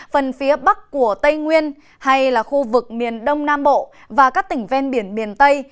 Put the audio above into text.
phần phía bắc của tây nguyên hay là khu vực miền đông nam bộ và các tỉnh ven biển miền tây